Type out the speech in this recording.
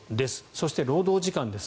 そして、労働時間です。